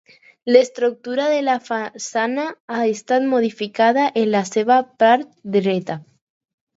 L'estructura de la façana ha estat modificada en la seva part dreta.